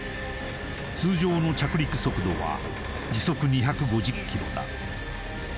通常の着陸速度は時速２５０キロだ